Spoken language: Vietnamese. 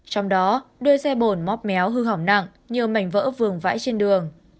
trong đó đuôi xe bồn móc méo hư hỏng nặng nhiều mảnh vỡ vườn vãi trên đường